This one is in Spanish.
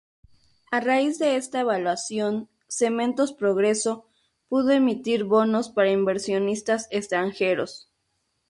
A raíz de esta evaluación, Cementos Progreso pudo emitir bonos para inversionistas extranjeros.